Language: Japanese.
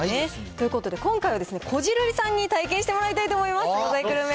ということで、今回はこじるりさんに体験してもらいたいと思います。